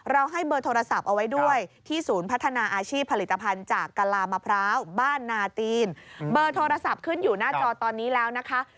ให้เบอร์โทรศัพท์เอาไว้ด้วยที่ศูนย์พัฒนาอาชีพผลิตภัณฑ์จากกะลามะพร้าวบ้านนาตีนเบอร์โทรศัพท์ขึ้นอยู่หน้าจอตอนนี้แล้วนะคะ